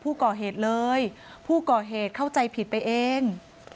ผู้ก่อเหตุเลยผู้ก่อเหตุเข้าใจผิดไปเอง